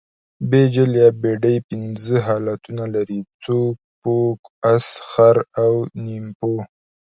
بیجل یا بډۍ پنځه حالتونه لري؛ چوک، پوک، اس، خر او نیمپو.